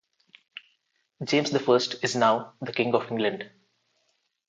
James the First is now the King of England.